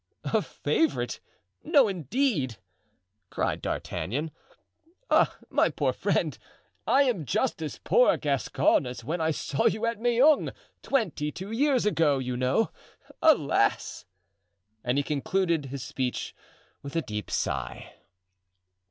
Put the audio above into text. "A favorite! no, indeed!" cried D'Artagnan. "Ah, my poor friend! I am just as poor a Gascon as when I saw you at Meung, twenty two years ago, you know; alas!" and he concluded his speech with a deep sigh.